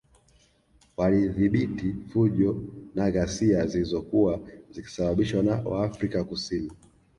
Walidhibiti fujo na ghasia zilozokuwa zikisababishwa na waafrika Kusin